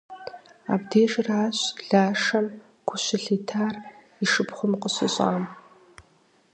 Абдежыращ Лашэм гу щылъитар и шыпхъум къыщыщӏам.